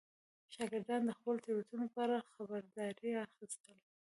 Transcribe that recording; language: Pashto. شاګردان د خپلو تېروتنو په اړه خبرداری اخیستل.